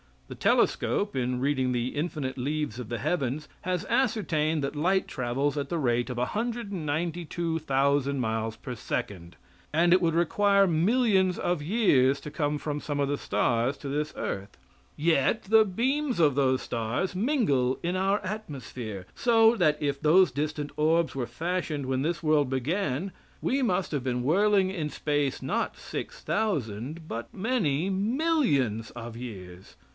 The telescope, in reading the infinite leaves of the heavens, has ascertained that light travels at the rate of 192,000 miles per second, and it would require millions of years to come from some of the stars to this earth. Yet the beams of those stars mingle in our atmosphere, so that if those distant orbs were fashioned when this world began, we must have been whirling in space not six thousand, but many millions of years.